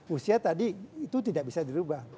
usia tadi itu tidak bisa dirubah